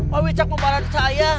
pak wicak membalas saya